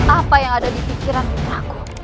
apa yang ada di pikiran aku